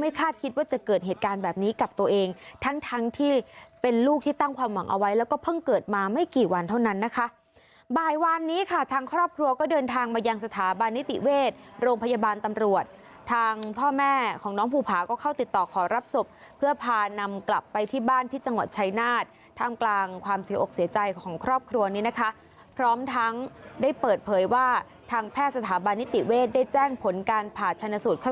ไม่กี่วันเท่านั้นนะคะบ่ายวานนี้ค่ะทางครอบครัวก็เดินทางมายังสถาบันนิติเวทย์โรงพยาบาลตำรวจทางพ่อแม่ของน้องภูผาก็เข้าติดต่อขอรับศพเพื่อพานำกลับไปที่บ้านที่จังหวัดชัยนาฏท่ามกลางความเสียอกเสียใจของครอบครัวนี้นะคะพร้อมทั้งได้เปิดเผยว่าทางแพทย์สถาบันนิติเวทย์ได้แจ้งผลการผ่าช